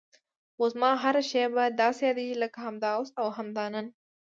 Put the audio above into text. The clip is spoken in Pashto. خو زما هره شېبه داسې یادېږي لکه همدا اوس او همدا نن.